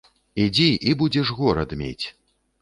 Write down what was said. Ідзі, і будзеш горад мець.